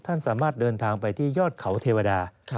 ท่านสามารถเดินทางไปที่ยอดเขาเทวดา